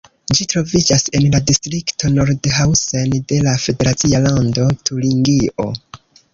Ĝi troviĝas en la distrikto Nordhausen de la federacia lando Turingio.